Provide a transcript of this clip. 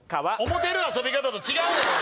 思ってる遊び方と違うねん！